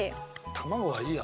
卵はいいや。